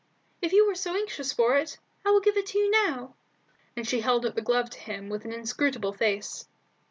If you are so anxious for it, I will give it to you now;" and she held out the glove to him with an inscrutable face.